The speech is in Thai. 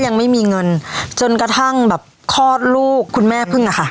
ยังไม่มีเงินจนกระทั่งแบบคลอดลูกคุณแม่พึ่งอะค่ะ